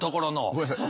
ごめんなさい。